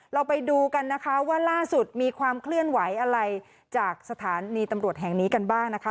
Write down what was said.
เราไปดูกันนะคะว่าล่าสุดมีความเคลื่อนไหวอะไรจากสถานีตำรวจแห่งนี้กันบ้างนะคะ